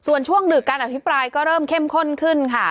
ส่วนช่วงดึกการอภิปรายก็เริ่มเข้มข้นขึ้นค่ะ